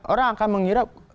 orang akan mengira